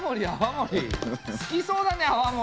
好きそうだね泡盛。